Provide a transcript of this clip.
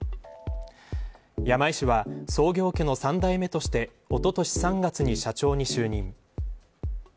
山井氏は創業家の３代目としておととし３月に社長に就任。